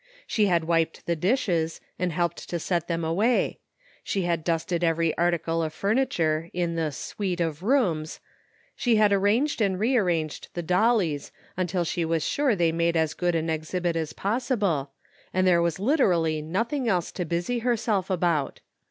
She had wiped the dishes, and helped to set them away ; she had dusted every article of furniture in the '^ suite" of rooms ; she had arranged and re arranged the dollies until she was sure they made as good an exhibit as possible, and there was literally nothing else to busy herself about.